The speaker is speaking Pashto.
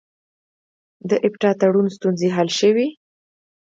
د اپټا تړون ستونزې حل شوې؟